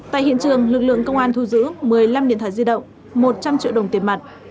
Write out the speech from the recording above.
tại hiện trường lực lượng công an thu giữ một mươi năm điện thoại di động một trăm linh triệu đồng tiền mặt